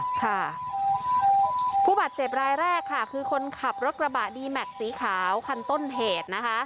ค่ะผู้บาดเจ็บรายแรกค่ะคือคนขับรถกระบะดีแม็กซ์สีขาวคันต้นเหตุนะคะ